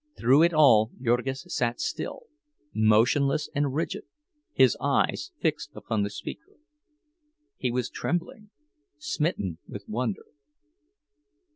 Through it all Jurgis sat still, motionless and rigid, his eyes fixed upon the speaker; he was trembling, smitten with wonder.